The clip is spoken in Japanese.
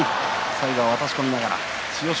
最後は渡し込みながら千代翔